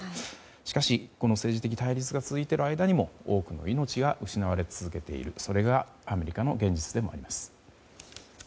しかし、政治的対立が続いている間にも多くの命が失われ続けているそれがアメリカの現実でもあります。